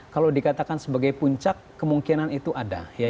kalau dikatakan sebagai puncak kemungkinan itu ada